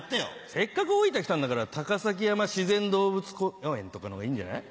せっかく大分来たんだから高崎山自然動物園とかのほうがいいんじゃない？